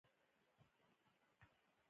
دا د هر چا خپل طبعي او ملي حق دی.